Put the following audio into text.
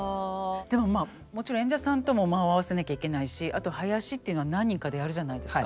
でもまあもちろん演者さんとも間を合わせなきゃいけないしあと囃子っていうのは何人かでやるじゃないですか。